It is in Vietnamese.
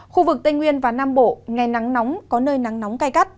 khu vực tây nguyên và nam bộ ngày nắng nóng có nơi nắng nóng cay gắt